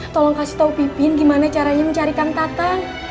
tolong kasih tau pipin gimana caranya mencari kang tatang